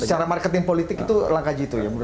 secara marketing politik itu langkah jitu ya